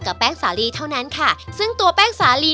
ส่วนประสบในเส้นโซบะนี้